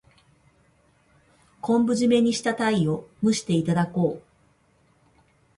昆布じめにしたタイを蒸していただこう。